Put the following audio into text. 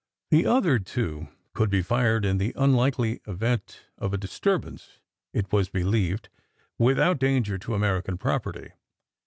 The other two could be fired in the unlikely event of a disturbance, it was believed, without danger to American property.